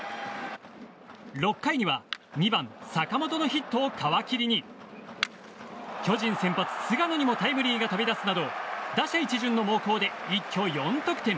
６回には２番、坂本のヒットを皮切りに巨人先発、菅野にもタイムリーが飛び出すなど打者一巡の猛攻で一挙４得点。